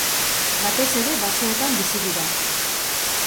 Batez ere basoetan bizi dira.